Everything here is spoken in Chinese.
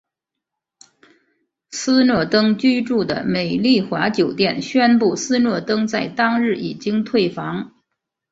斯诺登居住的美丽华酒店宣布斯诺登在当日已经退房。